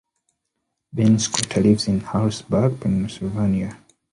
Benscoter lives in Harrisburg, Pennsylvania.